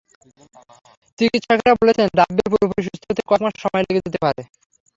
চিকিৎসকেরা বলেছেন, রাব্বীর পুরোপুরি সুস্থ হতে কয়েক মাস সময় লেগে যেতে পারে।